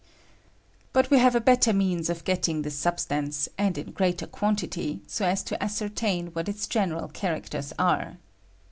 But wo have a better means of getting this substance, and in greater quantity, so aa to as certain what its general characters are.